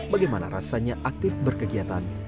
bagaimana rasanya aktif berkegiatan